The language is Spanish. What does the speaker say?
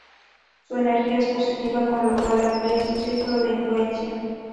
Su energía es positiva, con lo cual amplían su círculo de influencia.